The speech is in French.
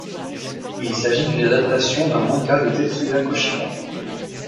Il s'agit d'une adaptation d'un manga de Tetsuya Koshiba.